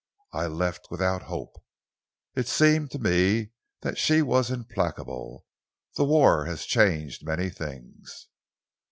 I left without hope. It seemed to me that she was implacable. The war has changed many things."